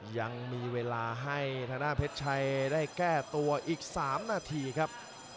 ยังมีเวลาให้ธนาพรรดิได้แก้ตัวอีกสามนาทีครับ